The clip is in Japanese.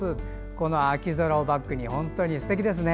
この秋空をバックに本当にすてきですね。